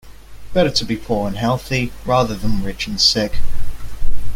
Better to be poor and healthy rather than rich and sick.